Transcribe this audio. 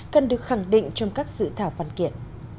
cần được khẳng định trong các dự thảo văn kiện